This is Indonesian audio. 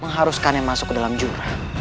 mengharuskan yang masuk ke dalam jurah